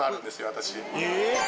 私。